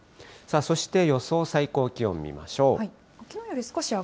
そして、予想最高気温、見ましょう。